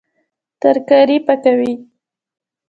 ترکاري پاکوي